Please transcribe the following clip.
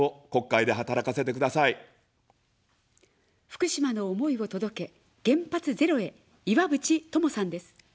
福島の思いを届け原発ゼロへ、いわぶち友さんです。